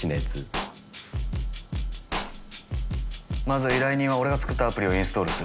まず依頼人は俺が作ったアプリをインストールする。